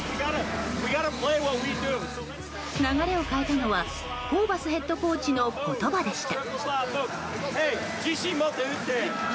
流れを変えたのはホーバスヘッドコーチの言葉でした。